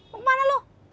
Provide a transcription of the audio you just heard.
mau kemana lu